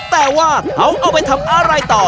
แต่ว่าเขาเอาไปทำอะไรต่อ